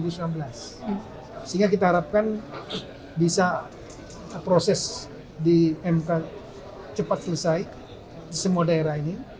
sehingga kita harapkan bisa proses di mk cepat selesai di semua daerah ini